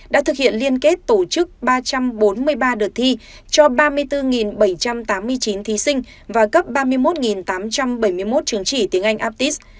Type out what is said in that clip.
đã thực hiện liên kết tổ chức ba trăm bốn mươi ba đợt thi cho ba mươi bốn bảy trăm tám mươi chín thí sinh và cấp ba mươi một tám trăm bảy mươi một chứng chỉ tiếng anh aptis